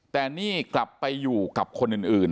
แต่นี่กลับไปอยู่กับคนอื่น